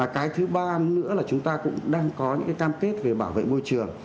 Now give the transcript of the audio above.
cái thứ ba nữa là chúng ta cũng đang có những cam kết về bảo vệ môi trường